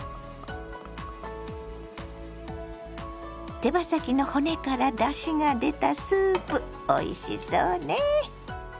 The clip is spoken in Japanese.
手羽先の骨からだしが出たスープおいしそうね。